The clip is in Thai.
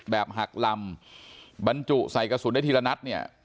หักลำบรรจุใส่กระสุนได้ทีละนัดเนี่ย